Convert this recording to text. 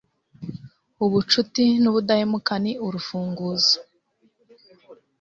ubucuti nubudahemuka ni urufunguzo